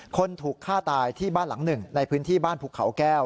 คนถูกฆ่าตายที่บ้านหลังหนึ่งในพื้นที่บ้านภูเขาแก้ว